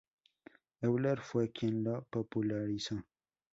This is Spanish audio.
Euler fue quien lo popularizó.